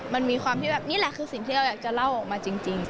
มันมีความที่แบบนี่แหละคือสิ่งที่เราอยากจะเล่าออกมาจริง